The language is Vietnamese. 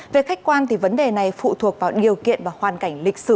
về khách quan thì vấn đề này phụ thuộc vào điều kiện và hoàn cảnh lịch sử